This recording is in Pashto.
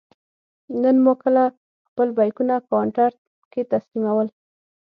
نن ما کله خپل بېکونه کاونټر کې تسلیمول.